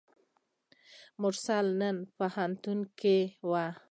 مرسل نن په پوهنتون کې وه.